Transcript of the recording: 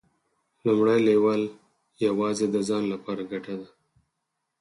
لومړی لیول یوازې د ځان لپاره ګټه ده.